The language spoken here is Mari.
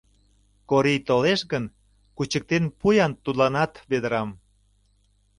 Корий толеш гын, кучыктен пу-ян тудланат ведрам.